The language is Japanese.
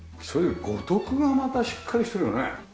それで五徳がまたしっかりしてるよね。